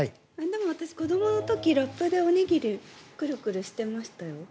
私、子どもの時ラップでおにぎりくるくるしてましたよ。